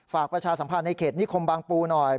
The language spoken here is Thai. ประชาสัมพันธ์ในเขตนิคมบางปูหน่อย